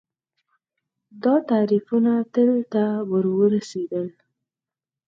دا تعریفونه تل ته ورورسېدل